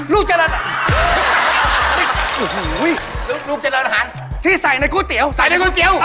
ลูกชิ้นเนื้อลูกชิ้นเนื้อ